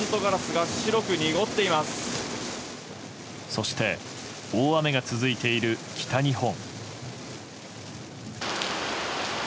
そして大雨が続いている北日本。